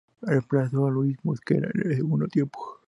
Reemplazó a Luis Mosquera en el segundo tiempo.